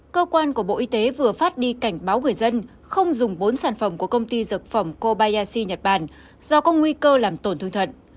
cơ quan của bộ y tế vừa phát đi cảnh báo người dân không dùng bốn sản phẩm của công ty dược phẩm kobayashi nhật bản do có nguy cơ làm tổn thương thận